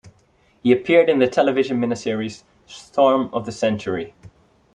He appeared in the television miniseries "Storm of the Century".